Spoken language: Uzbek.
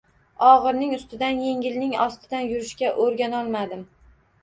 Ogʼirning ustidan, yengilning ostidan yurishga oʼrganolmadim.